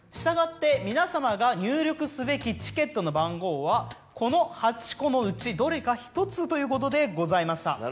従って皆様が入力すべきチケットの番号はこの８個のうちどれか１つということでございました。